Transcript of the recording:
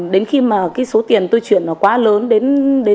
đến khi số tiền tôi chuyển quá lớn đến chín trăm linh triệu